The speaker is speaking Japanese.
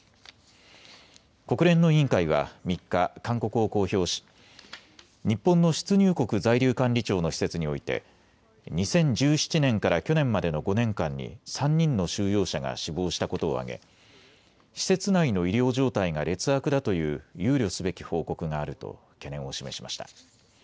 国連の委員会は３日、勧告を公表し日本の出入国在留管理庁の施設において２０１７年から去年までの５年間に３人の収容者が死亡したことを挙げ施設内の医療状態が劣悪だという憂慮すべき報告があると懸念を示しました。